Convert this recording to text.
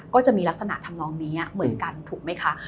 ก็จะมีลักษณะทำนองนี้เหมือนกันถูกไหมคะ